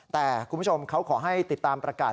แต่คุณผู้ชมเขาขอให้ติดตามประกาศ